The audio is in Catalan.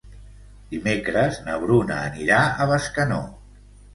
Dimecres na Bruna anirà a Bescanó.